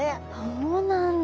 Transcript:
そうなんだ。